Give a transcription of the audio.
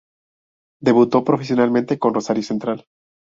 Debutó profesionalmente con Rosario Central.